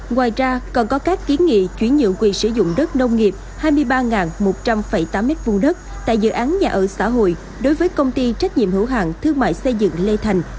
ngoài ra còn có các kiến nghị chuyển nhượng quyền sử dụng đất nông nghiệp hai mươi ba một trăm linh tám m hai đất tại dự án nhà ở xã hội đối với công ty trách nhiệm hữu hạng thương mại xây dựng lê thành